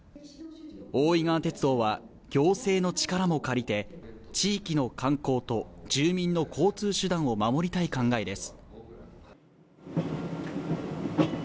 大井川鐵道は行政の力も借りて地域の観光と住民の交通手段を守りたい考えです。